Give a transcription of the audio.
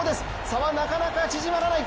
差はなかなか縮まらない。